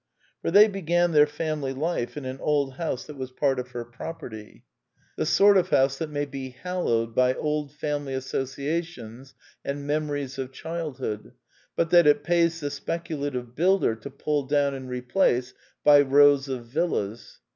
For they began their family life in an old house that was part of her property: 142 The Quintessence of Ibsenism the sort of house that may be hallowed by old family associations and memories of childhood, but that it pays the speculative builder to pull down and replace by rows of villas.